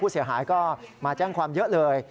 เสียหายก็มาแจ้งความเยอะเลย